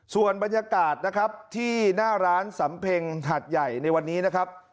ส่วนบรรยากาศนะครับที่หน้าร้านสำเพ็งหัดใหญ่ในวันนี้นะครับ